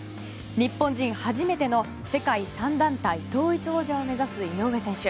日本人初めての世界３団体統一王者を目指す井上選手。